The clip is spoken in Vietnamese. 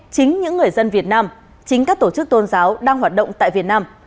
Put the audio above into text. chính những người dân việt nam chính các tổ chức tôn giáo đang hoạt động tại việt nam